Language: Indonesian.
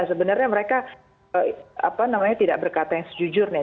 sebenarnya mereka tidak berkata yang sejujurnya